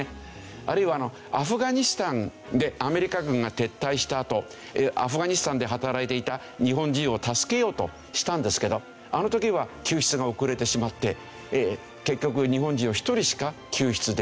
あるいはアフガニスタンでアメリカ軍が撤退したあとアフガニスタンで働いていた日本人を助けようとしたんですけどあの時は救出が遅れてしまって結局日本人を１人しか救出できなかった。